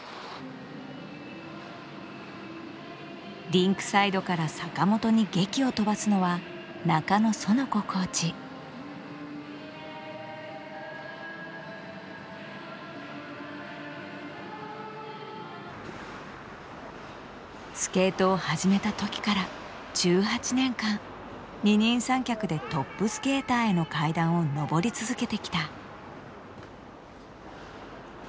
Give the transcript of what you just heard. リンクサイドから坂本にゲキを飛ばすのはスケートを始めた時から１８年間二人三脚でトップスケーターへの階段を上り続けてきた。